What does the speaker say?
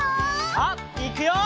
さあいくよ！